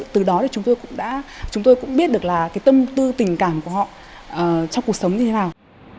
từ đó thì chúng tôi cũng biết được là cái tâm tư tình cảm của họ trong cuộc sống như thế nào